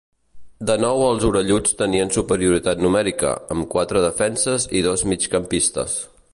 De nou els orelluts tenien superioritat numèrica, amb quatre defenses i dos migcampistes.